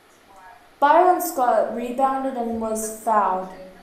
Byron Scott rebounded and was fouled.